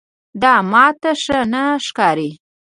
دا ماته ښه نه ښکاري.